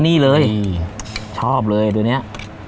นี่เลยนี่ชอบเลยตัวเนี้ย